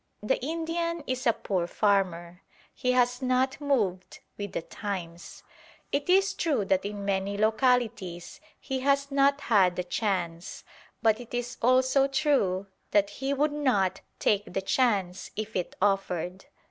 The Indian is a poor farmer. He has not moved with the times. It is true that in many localities he has not had the chance; but it is also true that he would not take the chance if it offered.